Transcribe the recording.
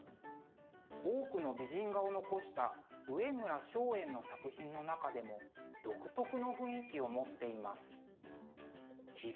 多くの美人画を残した上村松園の作品の中でも独特の雰囲気を持っています。